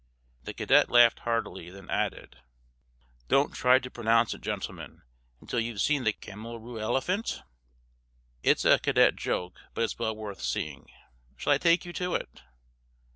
The cadet laughed heartily, then added: "Don't try to pronounce it, gentlemen, until you've seen the camelroorelephant. It's a cadet joke, but it's well worth seeing. Shall I take you to it?"